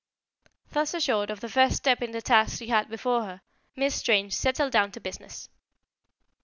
Thus assured of the first step in the task she had before her, Miss Strange settled down to business.